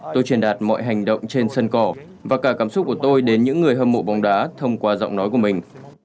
tôi truyền đạt mọi hành động trên sân cỏ và cả cảm xúc của tôi đến những người hâm mộ bóng đá thông qua giọng nói của mình